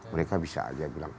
mereka bisa aja bilang